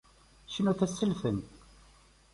Cnut-as s lfen!